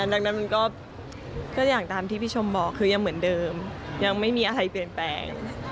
ดังนั้นมันก็อย่างตามที่พี่ชมบอกคือยังเหมือนเดิมยังไม่มีอะไรเปลี่ยนแปลง